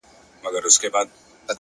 اراده د ستونزو تر ټولو قوي ځواب دی.